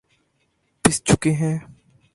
پس چکے ہیں